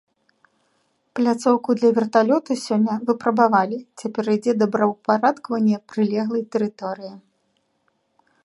Пляцоўку для верталёта сёння выпрабавалі, цяпер ідзе добраўпарадкаванне прылеглай тэрыторыі.